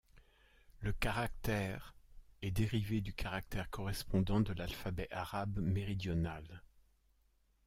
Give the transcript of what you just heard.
Le caractère ደ est dérivé du caractère correspondant de l'alphabet arabe méridional.